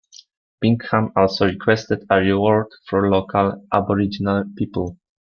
Bingham also requested a reward for local Aboriginal people.